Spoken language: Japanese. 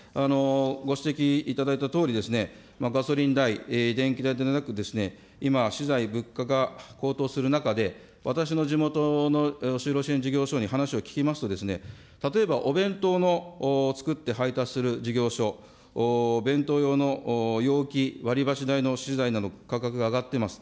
ご指摘いただいたとおり、ガソリン代、電気代だけでなく、今、資材、物価が高騰する中で、私の地元の就労支援事業所に話を聞きますとですね、例えば、お弁当のつくって配達する事業所、弁当用の容器、割り箸代の資材などの価格が上がってます。